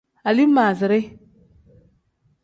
Alimaaziri.